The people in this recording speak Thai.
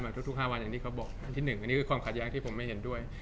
ทุก๕วันอย่างที่เขาบอกอันที่๑อันนี้คือความขัดแย้งที่ผมไม่เห็นด้วย